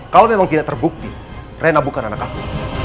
kalau memang tidak terbukti rena bukan anak aku